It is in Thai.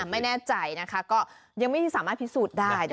ไม่แน่ใจนะคะก็ยังไม่สามารถพิสูจน์ได้